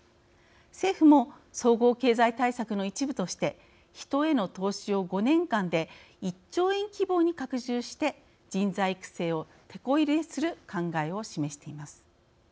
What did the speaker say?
政府も総合経済対策の一部として人への投資を５年間で１兆円規模に拡充して人材育成をてこ入れする考えを示しています。